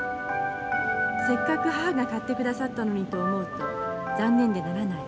せっかく母が買ってくださったのにと思うと残念でならない。